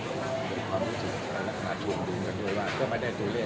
สวัสดีครับคุณผู้ชมเพราะไม่ได้ตัวแรจเสียงในหัวและพลังเท่าเรือ